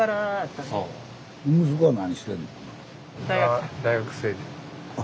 あ大学生。